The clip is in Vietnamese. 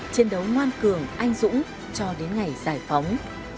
chiến đấu ngoan cường anh dũng cho đến ngày giải phóng